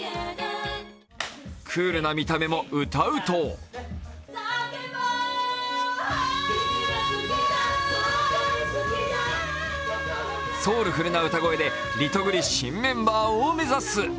クールな見た目も、歌うとソウルフルな歌声でリトグリ新メンバーを目指す。